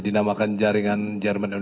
dinamakan jaringan jerman indonesia